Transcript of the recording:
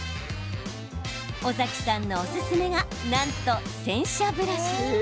尾崎さんのおすすめがなんと、洗車ブラシ。